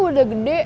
masuk udah gede